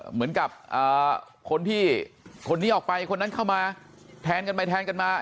เหมือนกับคนที่ออกไปคนนั้นเข้ามาแทนกันมา